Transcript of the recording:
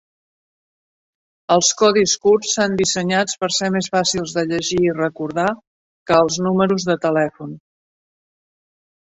Els codis curts s"han dissenyat per ser més fàcils de llegir i recordar que els números de telèfon.